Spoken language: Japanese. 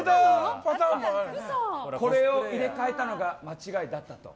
これを入れ替えたのが間違いだったと？